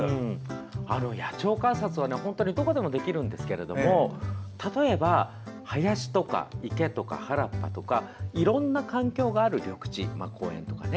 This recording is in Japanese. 野鳥観察はどこでもできるんですけど例えば、林とか池とか原っぱとかいろんな環境がある緑地公園とかね。